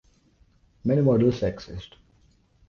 Many models exist.